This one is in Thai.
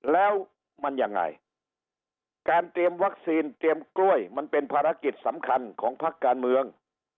แล้วมันยังไงการเตรียมวัคซีนเตรียมกล้วยมันเป็นภารกิจสำคัญของพักการเมือง